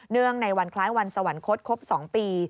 ในวันคล้ายวันสวรรคตครบ๒ปี